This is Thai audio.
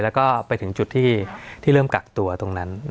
แล้วก็ไปถึงจุดที่เริ่มกักตัวตรงนั้น